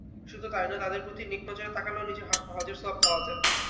শুধু তা-ই নয়, তাঁদের প্রতি নেক নজরে তাকালেও হজের সওয়াব পাওয়া যায়।